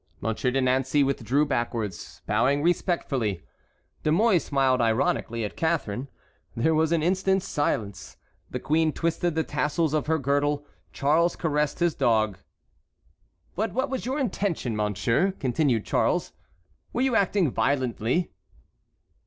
Monsieur de Nancey withdrew backwards, bowing respectfully. De Mouy smiled ironically at Catharine. There was an instant's silence. The queen twisted the tassels of her girdle; Charles caressed his dog. "But what was your intention, monsieur?" continued Charles; "were you acting violently?"